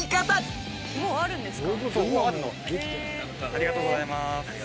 ありがとうございます。